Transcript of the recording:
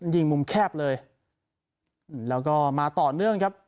ยิงมุมแคบเลยแล้วก็มาต่อเนื่องครับ